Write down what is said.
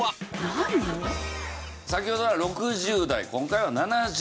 先ほどは６０代今回は７０代。